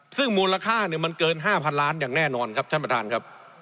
ซึ่งมูลค่ามันเกิน๕๐๐๐ล้านอย่างแน่นอนครับท่านประธานครับ